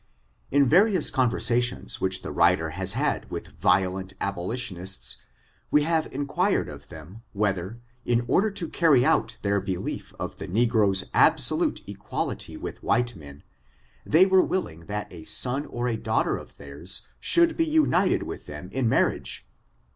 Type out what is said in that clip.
In various conversations which the writer has had with violent abolitionists, we have inquired of them, whether, in order to carry out their beliefof the negroes' absolute equality with white men, they were willing that a son or a daughter of theirs, should be united with them in marriage?